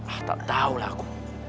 ah tak tahulah aku